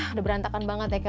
udah berantakan banget ya